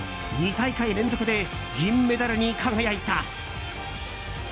２大会連続で銀メダルに輝いた。